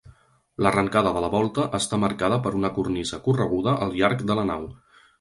L'arrencada de la volta està marcada per una cornisa correguda al llarg de la nau.